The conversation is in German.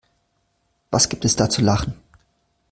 Was gibt es da zu lachen?